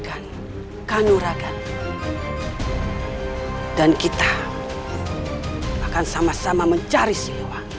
jangan lupa like share dan subscribe